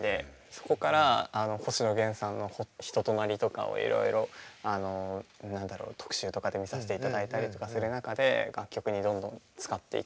そこから星野源さんの人となりとかをいろいろ特集とかで見させていただいたりとかする中で楽曲にどんどんつかっていって。